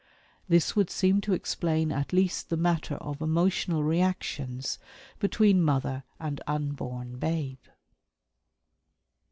This would seem to explain at least the matter of emotional reactions between mother and unborn babe.